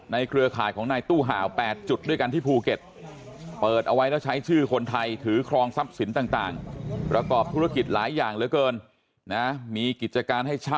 ไม่งั้นหากสารไม่ออกมาคือจะให้